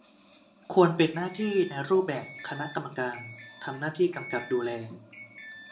ควรเป็นหน้าที่ในรูปแบบคณะกรรมการ ทำหน้าที่กำกับดูแล